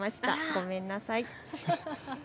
ごめんなさい。